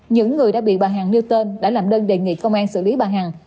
những người đã bị bà hàng nêu tên đã làm đơn đề nghị công an xử lý bà hằng